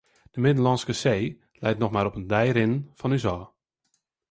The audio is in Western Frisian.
De Middellânske See lei no noch mar op in dei rinnen fan ús ôf.